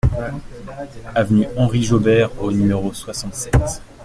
Avenue Henri Jaubert au numéro soixante-sept